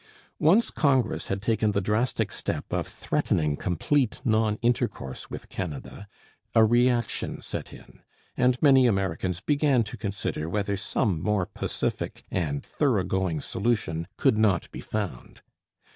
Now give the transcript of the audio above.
Once Congress had taken the drastic step of threatening complete non intercourse With Canada, a reaction set in, and many Americans began to consider whether some more pacific and thoroughgoing solution could not be found.